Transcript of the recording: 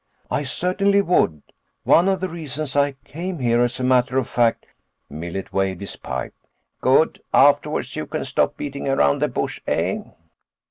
"I certainly would. One of the reasons I came here, as a matter of fact." Millet waved his pipe. "Good. Afterwards, you can stop beating around the bush, eh?"